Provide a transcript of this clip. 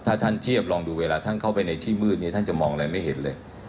ถ้าท่านเทียบลองดูเวลาท่านเข้าไปในที่มืดเนี่ยท่านจะมองอะไรไม่เห็นเลย